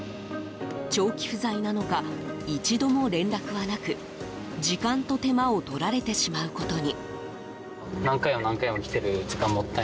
長期不在なのか一度も連絡はなく時間と手間を取られてしまうことに。